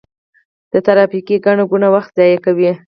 ترافیکي ګڼه ګوڼه وخت ضایع کوي.